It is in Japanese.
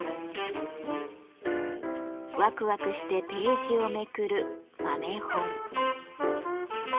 ワクワクしてページをめくる豆本。